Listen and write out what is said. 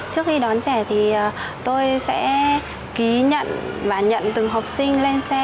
trước khi đón trẻ thì tôi sẽ ký nhận và nhận từng học sinh lên xe